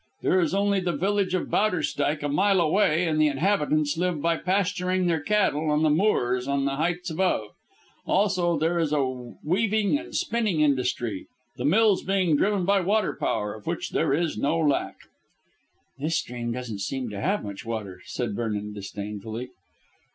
There is only the village of Bowderstyke a mile away, and the inhabitants live by pasturing their cattle on the moors on the heights above. Also there is a weaving and spinning industry, the mills being driven by water power, of which there is no lack." "This stream doesn't seem to have much water," said Vernon disdainfully.